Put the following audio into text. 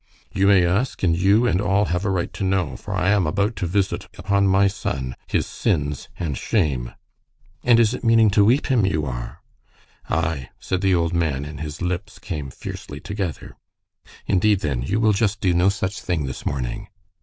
"You may ask, and you and all have a right to know, for I am about to visit upon my son his sins and shame." "And is it meaning to wheep him you are?" "Ay," said the old man, and his lips came fiercely together. "Indeed, then, you will just do no such thing this morning."